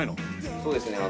そうですね。